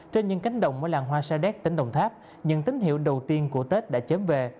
trên những cánh đồng ở làng hoa sa đéc tỉnh đồng tháp những tín hiệu đầu tiên của tết đã chớm về